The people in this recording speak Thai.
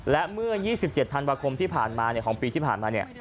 และเมื่อ๒๗ธันวาคมที่ผ่านมาของปีที่ผ่านมาเนี่ย